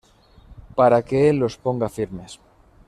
para que él los ponga firmes